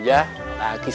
saya juga mau ikut